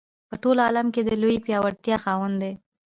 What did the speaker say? په ټول عالم کې د لویې پیاوړتیا خاوند دی.